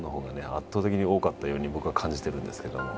圧倒的に多かったように僕は感じてるんですけども。